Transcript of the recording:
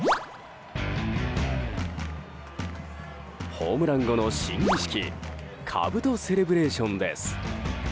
ホームラン後の新儀式兜セレブレーションです。